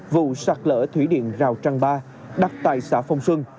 vụ sạt lở thủy điện rào trang ba đặt tại xã phong xuân